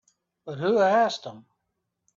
But who asked him?